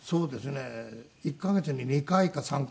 １カ月に２回か３回出して。